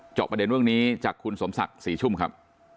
ประเด็นเรื่องนี้จากคุณสมศักดิ์ศรีชุ่มครับ